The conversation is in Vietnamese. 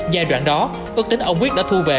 giai đoạn đó ước tính ông quyết đã thu về